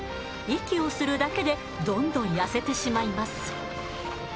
息をするだけでどんどん痩せてしまいます。